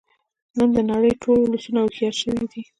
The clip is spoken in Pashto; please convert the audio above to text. نن د نړۍ ټول ولسونه هوښیار شوی دی